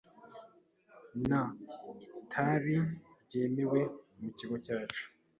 Nta itabi ryemewe mu kigo cyacu .